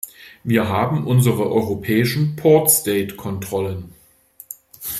Wir haben unsere europäischen port state Kontrollen.